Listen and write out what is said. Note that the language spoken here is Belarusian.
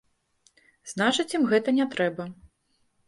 Значыць ім гэта не трэба.